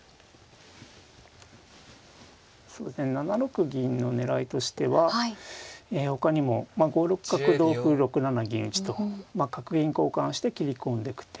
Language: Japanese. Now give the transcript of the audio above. そうですね７六銀の狙いとしてはほかにも５六角同歩６七銀打と角銀交換して斬り込んでく手